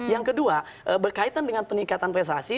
yang kedua berkaitan dengan peningkatan prestasi